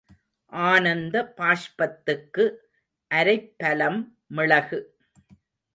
ஆனந்த பாஷ்பத்துக்கு அரைப்பலம் மிளகு.